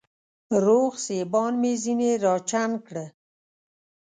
روغ سېبان مې ځيني راچڼ کړه